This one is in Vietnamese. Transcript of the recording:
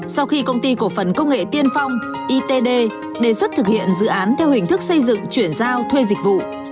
sau khi công ty cổ phần công nghệ tiên phong itd đề xuất thực hiện dự án theo hình thức xây dựng chuyển giao thuê dịch vụ